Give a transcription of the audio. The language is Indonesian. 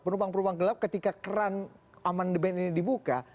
penumpang penumpang gelap ketika keran amandemen ini dibuka